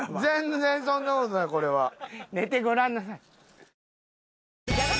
全然そんな事ないこれは。